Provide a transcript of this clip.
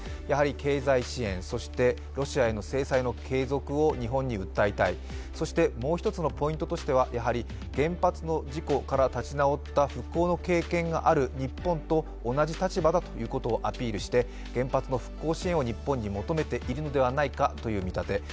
やはり経済支援、そしてロシアへの制裁の継続を日本に訴えたい、そしてもう一つのポイントとしては原発の事故から立ち直った復興の経験がある日本と同じ立場だということをアピールして原発の復興支援を日本に求めているのではないかという見立て。